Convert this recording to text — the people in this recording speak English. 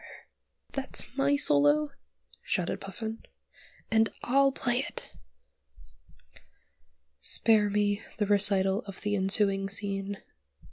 "That's my solo," shouted Puffin; "and I'll play it!" Spare me the recital of the ensuing scene.